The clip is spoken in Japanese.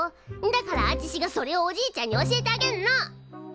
だからあちしがそれをおじいちゃんに教えてあげんの！